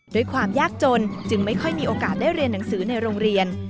ด้วยความยากจนจึงไม่ค่อยมีโอกาสได้เรียนหนังสือในโรงเรียน